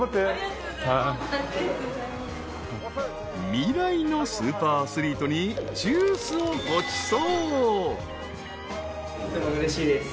［未来のスーパーアスリートにジュースをごちそう］